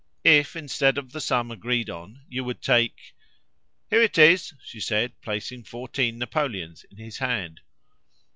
"If, instead of the sum agreed on, you would take " "Here it is," she said placing fourteen napoleons in his hand.